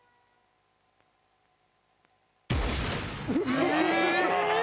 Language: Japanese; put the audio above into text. え？